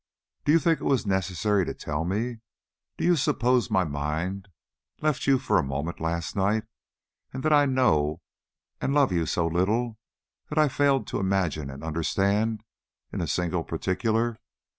Do you think it was necessary to tell me? Do you suppose my mind left you for a moment last night, and that I know and love you so little that I failed to imagine and understand in a single particular?